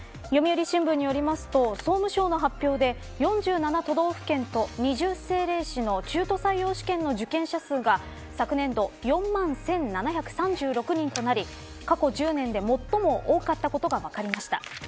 読売新聞によりますと総務省の発表で４７都道府県と２０政令市の中途採用試験の受験者数が昨年度４万１７３６人となり過去１０年で最も多かったことが分かりました。